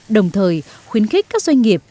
đồng thời khuyến khích các doanh nghiệp